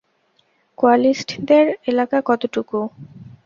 কোয়ালিস্টদের এলাকা কতটুকু?